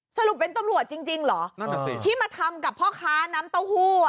สรุปเป็นตำรวจจริงเหรอที่มาทำกับพ่อค้าน้ำเต้าหู้